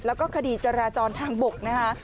แล้วก็คดีจราจรทางบกนะคะ